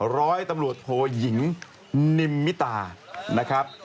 ร้อยตำรวจโทยิงนิมมิตานะครับ